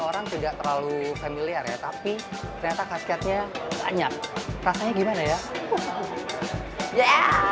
orang tidak terlalu familiar ya tapi ternyata kasketnya banyak rasanya gimana ya